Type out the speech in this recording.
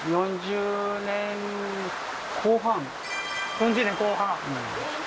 ４０年後半うん